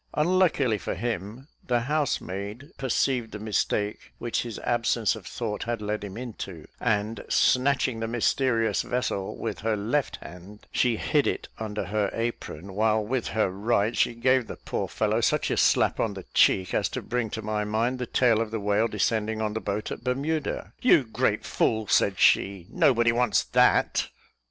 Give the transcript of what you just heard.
Unluckily for him, the housemaid perceived the mistake which his absence of thought had led him into; and, snatching the mysterious vessel with her left hand, she hid it under her apron, while with her right she gave the poor fellow such a slap on the cheek, as to bring to my mind the tail of the whale descending on the boat at Bermuda. "You great fool," said she, "nobody wants that."